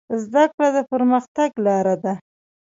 زده کړه د پرمختګ لاره ده.